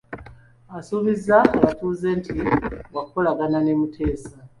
Asuubizza abatuuze nti waakukolagana ne Muteesa.